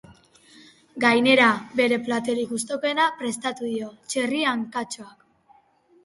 Gainera, bere platerik gustukoena prestatuko dio, txerri hankatxoak.